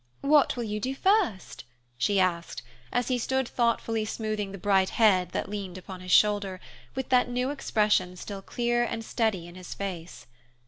"What will you do first?" she asked, as he stood thoughtfully smoothing the bright head that leaned upon his shoulder, with that new expression still clear and steady in his face.